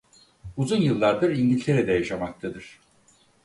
Uzun yıllardır İngiltere'de yaşamaktadır.